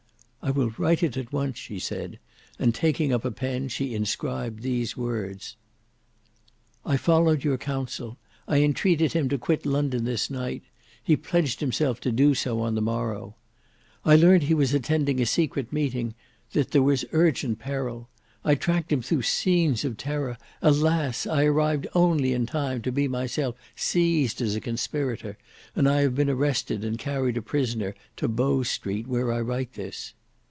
"I will write it at once," she said, and taking up a pen she inscribed these words, "I followed your counsel; I entreated him to quit London this night. He pledged himself to do so on the morrow. "I learnt he was attending a secret meeting; that there was urgent peril. I tracked him through scenes of terror. Alas! I arrived only in time to be myself seized as a conspirator, and I have been arrested and carried a prisoner to Bow Street, where I write this.